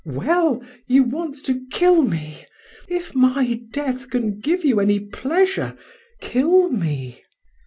"Ah, well, you want to kill me!... If my death can give you any pleasure kill me!"